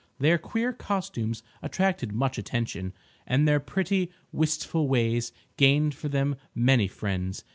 Their queer costumes attracted much attention, and their pretty, wistful ways gained for them many friends.